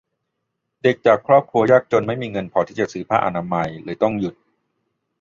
เด็กจากครอบครัวยากจนไม่มีเงินพอที่จะซื้อผ้าอนามัย เลยต้องหยุด